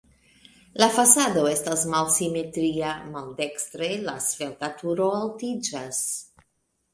La fasado estas malsimetria, maldekstre la svelta turo altiĝas.